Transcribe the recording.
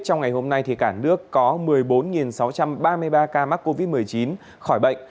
trong ngày hôm nay cả nước có một mươi bốn sáu trăm ba mươi ba ca mắc covid một mươi chín khỏi bệnh